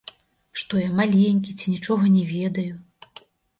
Што я, маленькі ці нічога не ведаю?